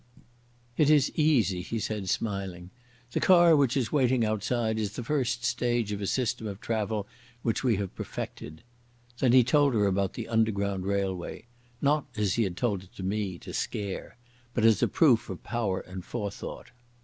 "It is easy," he said, smiling. "The car which is waiting outside is the first stage of a system of travel which we have perfected." Then he told her about the Underground Railway—not as he had told it to me, to scare, but as a proof of power and forethought.